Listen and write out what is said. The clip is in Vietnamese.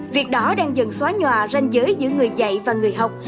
việc đó đang dần xóa nhòa ranh giới giữa người dạy và người học